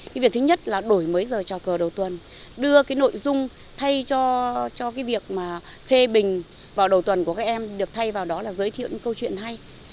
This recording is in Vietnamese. cái việc thứ nhất là đổi mới giờ trò cờ đầu tuần đưa cái nội dung thay cho cái việc mà phê bình vào đầu tuần của các em được thay vào đó là giới thiệu những câu chuyện hay